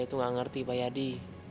saya tuh gak ngerti pak yadi